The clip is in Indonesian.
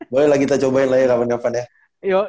bolehlah kita cobain lah ya kapan kapan ya